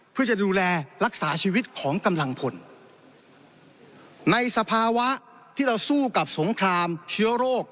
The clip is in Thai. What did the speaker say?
เพื่อจะดูแลรักษาชีวิตของกำลังพลในสภาวะที่เราสู้กับสงครามเชื้อโรค